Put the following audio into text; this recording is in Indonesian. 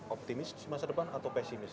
optimis di masa depan atau pesimis